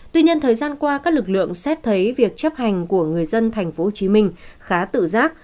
tuy nhiên thời gian qua các lực lượng xét thấy việc chấp hành của người dân tp hcm khá tự giác